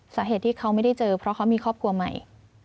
สาเหตุที่เขาไม่ได้เจอเพราะเขามีครอบครัวใหม่